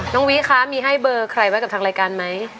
น้องวิค่ะมีให้เบอร์ใครไว้กับรายการไหม